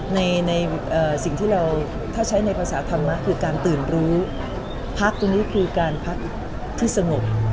ในสิ่งที่เราถ้าใช้ในภาษาธรรมะคือการตื่นรู้พักตรงนี้คือการพักที่สงบ